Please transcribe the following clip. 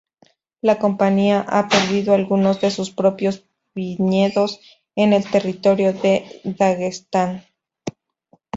La compañía ha perdido algunos de sus propios viñedos en el territorio de Daguestán.